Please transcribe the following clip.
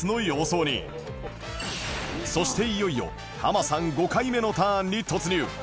そしていよいよハマさん５回目のターンに突入